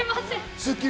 『スッキリ』